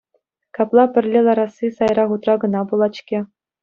Капла пӗрле ларасси сайра хутра кӑна пулать-ҫке.